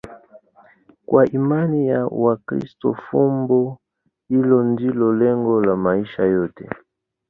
Kwa imani ya Wakristo, fumbo hilo ndilo lengo la maisha yote.